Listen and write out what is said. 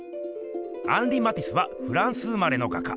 アンリ・マティスはフランス生まれの画家。